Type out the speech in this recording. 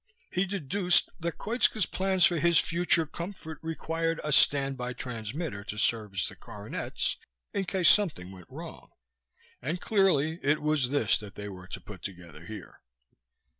He deduced that Koitska's plans for his future comfort required a standby transmitter to service the coronets, in case something went wrong. And clearly it was this that they were to put together here.